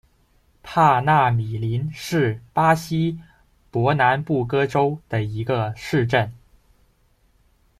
帕纳米林是巴西伯南布哥州的一个市镇。